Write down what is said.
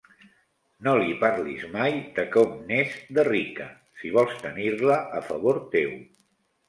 No li parlis mai de com n'és, de rica, si vols tenir-la a favor teu.